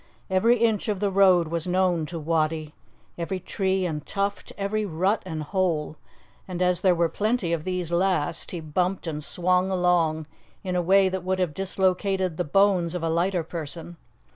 Every inch of the road was known to Wattie, every tree and tuft, every rut and hole; and as there were plenty of these last, he bumped and swung along in a way that would have dislocated the bones of a lighter person.